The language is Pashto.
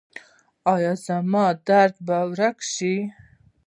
ایا زما درد به ورک شي؟